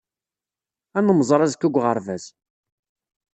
Ad nemmẓer azekka deg uɣerbaz.